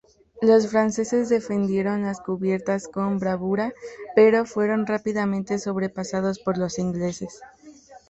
Los franceses defendieron las cubiertas con bravura pero fueron rápidamente sobrepasados por los ingleses.